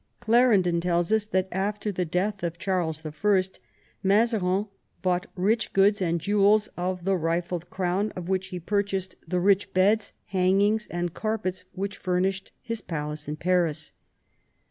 Clarendon tells us that, after the death of Charles L, Mazarin bought " rich goods and jewels of the rifled crown, of which he purchased the rich beds, hangings, and carpets which furnished his palace in Paris."